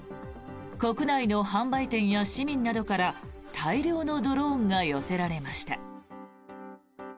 国内の販売店や市民などから大量のドローンが寄せられました。